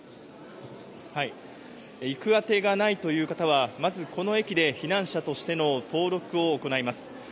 行く当てがないという方はまずこの駅で避難者としての登録を行います。